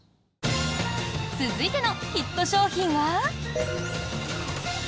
続いてのヒット商品は。